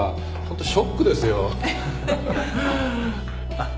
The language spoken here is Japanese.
あっ。